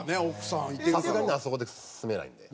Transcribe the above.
さすがにねあそこで住めないんで。